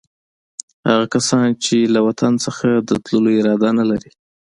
هغه کسان چې له وطن څخه د تللو اراده نه لري.